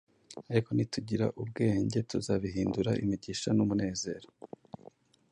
Ariko nitugira ubwenge, tuzabihindura imigisha n’umunezero.